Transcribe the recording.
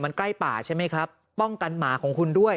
มันใกล้ป่าใช่ไหมครับป้องกันหมาของคุณด้วย